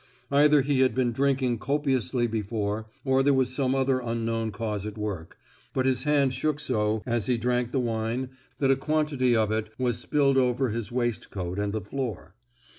Either he had been drinking copiously before, or there was some other unknown cause at work, but his hand shook so as he drank the wine that a quantity of it was spilled over his waistcoat and the floor.